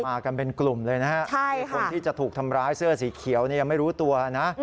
มากันเป็นกลุ่มเลยนะฮะคนที่จะถูกทำร้ายเสื้อสีเขียวเนี่ยยังไม่รู้ตัวนะ